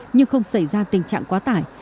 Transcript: nhưng không xảy ra tình trạng quá tải